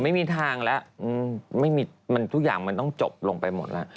ไม่มีทางแล้วทุกอย่างมันต้องจบลงไปหมดแล้ว